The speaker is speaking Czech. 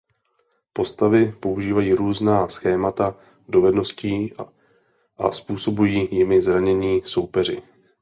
Postavy používají různá schémata dovedností a způsobují jimi zranění soupeři.